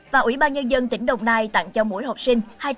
và ủy ban nhân dân tỉnh đồng nai tặng cho mỗi học sinh hai trăm linh đồng để ăn tết